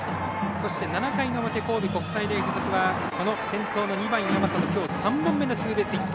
そして７回の表神戸国際大付属はこの先頭の２番、山里きょう３本目のツーベースヒット。